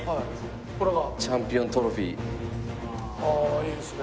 ああいいですね。